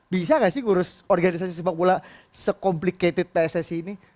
bisa gak sih ngurus organisasi sepak bola se complicated pssi ini